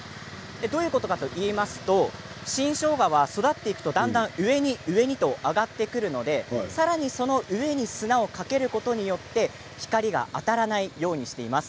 どういうことかといいますと新しょうがは育っていくとだんだん上に上にと上がってくるのでさらに上に砂をかけることによって光が当たらないようにしているんです。